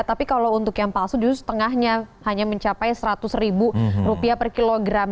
tapi kalau untuk yang palsu justru setengahnya hanya mencapai seratus ribu rupiah per kilogram